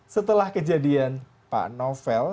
setelah kejadian pak novel